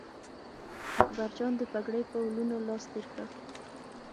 اکبرجان د پګړۍ په ولونو لاس تېر کړ.